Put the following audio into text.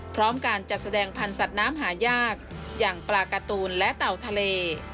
พร้อมการจัดแสดงพันธุ์สัตว์น้ำหายากอย่างปลาการ์ตูนและเต่าทะเล